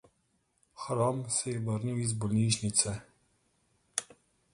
Hrom se je vrnil iz bolnišnice.